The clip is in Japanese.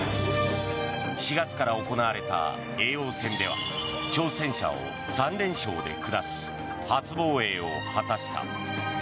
４月から行われた叡王戦では挑戦者を３連勝で下し初防衛を果たした。